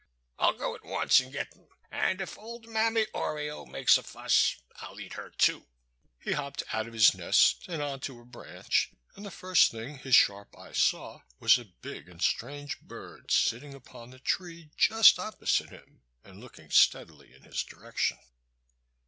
"I'll go at once and get them; and if old Mammy Oriole makes a fuss, I'll eat her, too." He hopped out of his nest and on to a branch, and the first thing his sharp eye saw was a big and strange bird sitting upon the tree just opposite him and looking steadily in his direction.